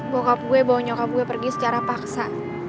bokap gue bawa nyokap gue pergi secara paksa